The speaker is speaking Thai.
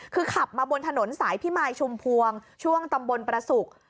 คือขับมาบนถนนสายพิมายชุมพวงช่วงตำบลประสุก